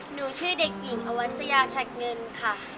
หนูชื่อเด็กหญิงอวัสยาชัดเงินค่ะ